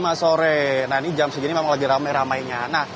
jam lima sore nah ini jam segini memang lagi ramai ramainya